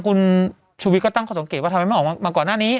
คุณชูวิทย์ก็ตั้งข้อสังเกตว่าทำไมไม่ออกมาก่อนหน้านี้